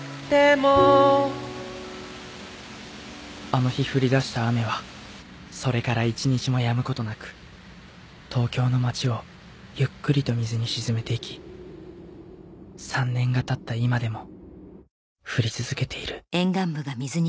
あの日降り出した雨はそれから一日もやむ事なく東京の街をゆっくりと水に沈めていき３年が経った今でも降り続けている